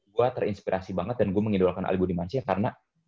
gue terinspirasi banget dan gue mengidolakan ali budi mansyah karena